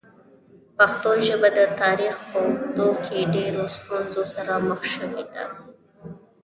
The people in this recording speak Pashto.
پښتو ژبه د تاریخ په اوږدو کې ډېرو ستونزو سره مخ شوې ده.